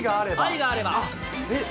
愛があれば。